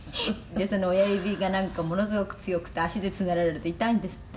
「その親指がなんかものすごく強くて足でつねられると痛いんですって？」